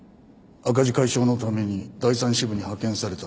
赤字解消のために第３支部に派遣された。